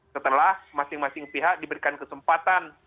setelah masing masing pihak diberikan kesempatan